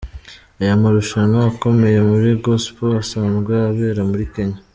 Aya marushanwa akomeye muri Gospel asanzwe abera muri Kenya.